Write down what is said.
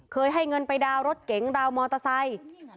ให้เงินไปดาวน์รถเก๋งดาวมอเตอร์ไซค์